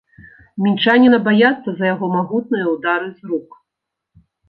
Мінчаніна баяцца за яго магутныя ўдары з рук.